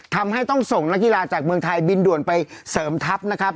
ทำให้ต้องส่งนักกีฬาจากเมืองไทยบินด่วนไปเสริมทัพนะครับ